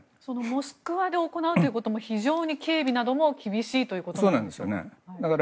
モスクワで行うということも非常に警備なども厳しいということなんでしょうか。